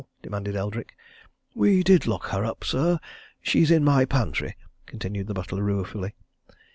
demanded Eldrick. "We did lock her up, sir! She's in my pantry," continued the butler, ruefully.